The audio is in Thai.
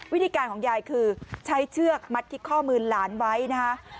วิธีการของยายคือใช้เชือกมัดที่ข้อมือหลานไว้นะคะ